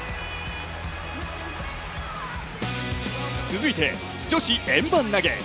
続いて、女子円盤投。